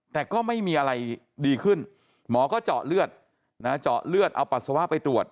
แต่ก็ไม่มีอะไรดีขึ้นหมอก็เจาะเลือดเอาปัสสาวะไปตรวจ